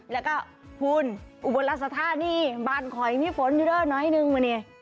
แล้วก็หุ่นอุปสรรษฐานี่บ้านขอยนี่ฝนเร็วน้อยนึงนี่